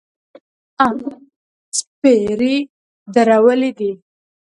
احمد څپری درولی دی.